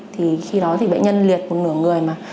thì khi đó thì bệnh nhân liệt một nửa người mà